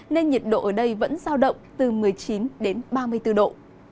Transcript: nên nhiệt độ ở đây vẫn giao động từ một mươi chín đến ba mươi bốn độ